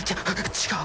違う！？